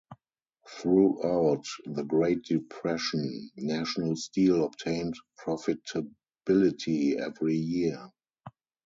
Throughout the Great Depression, National Steel obtained profitability every year.